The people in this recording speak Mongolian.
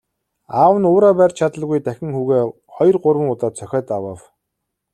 Аав нь уураа барьж чадалгүй дахин хүүгээ хоёр гурван удаа цохиод авав.